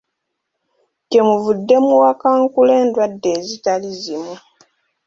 Kyemuvudde muwakankula endwadde ezitali zimu!